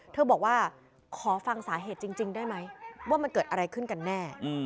บอกว่าขอฟังสาเหตุจริงได้ไหมว่ามันเกิดอะไรขึ้นกันแน่